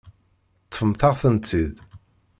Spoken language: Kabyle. Ṭṭfemt-aɣ-tent-id.